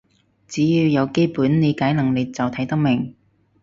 只要有基本理解能力就睇得明